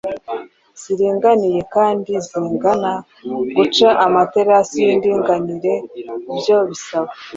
ziringaniye kandi zingana. Guca amaterasi y’indinganire byo bisaba